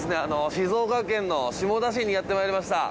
静岡県の下田市にやってまいりました。